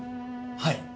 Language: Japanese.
はい。